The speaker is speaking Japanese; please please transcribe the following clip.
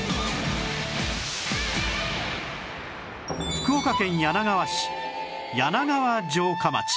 福岡県柳川市柳川城下町